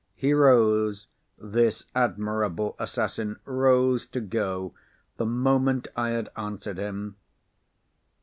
He rose—this admirable assassin rose to go, the moment I had answered him!